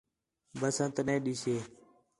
بسنت نَے ݙَسّا